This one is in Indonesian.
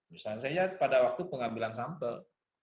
misalnya pada waktu pengambilan sampel